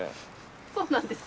そうなんですか？